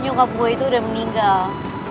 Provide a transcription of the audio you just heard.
nyungkap gue itu udah meninggal